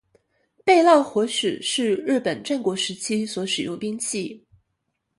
焙烙火矢是日本战国时代所使用兵器。